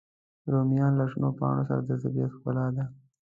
رومیان له شنو پاڼو سره د طبیعت ښکلا ده